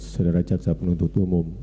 saudara caksa penuntut umum